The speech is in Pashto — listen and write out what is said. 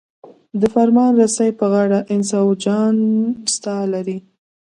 د فرمان رسۍ په غاړه انس او جان ستا لري.